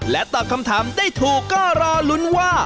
ตอบคำถามได้ถูกก็รอลุ้นว่า